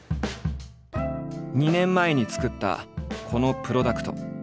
２年前に作ったこのプロダクト。